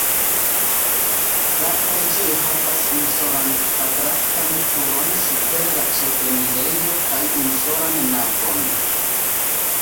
La preĝejo havas unusolan kvadratan turon super la ĉefenirejo kaj unusolan navon.